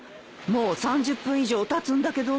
もう３０分以上たつんだけどねえ。